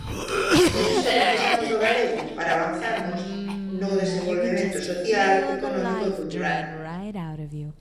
Por iso precisamos do galego, para avanzarmos no desenvolvemento social, económico e cultural.